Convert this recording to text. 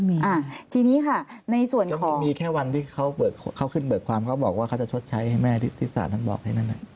ไม่มีค่ะมีแค่วันที่เขาขึ้นเบิกความเขาบอกว่าเขาจะชดใช้ให้แม่ที่ศาลนั้นบอกให้นั่น